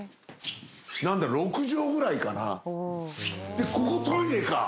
でここトイレか！